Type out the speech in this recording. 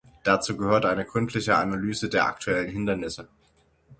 Dazu gehört eine gründliche Analyse der aktuellen Hindernisse.